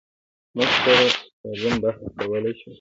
موږ سره سالم بحث کولی شو.